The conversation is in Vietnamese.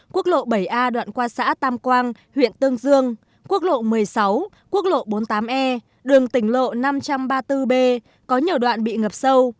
quốc lộ bảy a đoạn qua xã tam quang huyện tương dương quốc lộ một mươi sáu quốc lộ bốn mươi tám e đường tỉnh lộ năm trăm ba mươi bốn b có nhiều đoạn bị ngập sâu